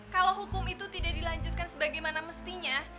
kalau hukum itu tidak dilanjutkan sebagaimana mestinya